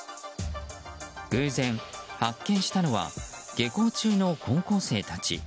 偶然発見したのは下校中の高校生たち。